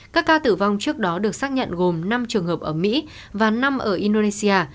các ca tử vong trước đó được xác nhận gồm năm trường hợp ở mỹ và năm ở indonesia